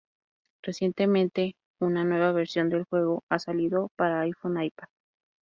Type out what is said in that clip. Recientemente una nueva versión del juego ha salido para iPhone y iPad.